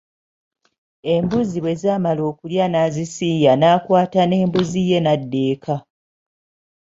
Embuzi bwe zaamala okulya n'azisiiya n'akwata n’embuzi ye n’adda eka.